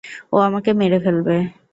ও আমাকে মেরে ফেলবে।